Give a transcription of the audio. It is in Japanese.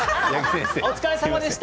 お疲れさまでした。